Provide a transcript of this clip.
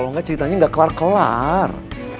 kalau enggak ceritanya enggak kelar kelar